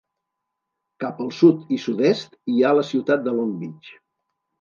Cap al sud i sud-est hi ha la ciutat de Long Beach.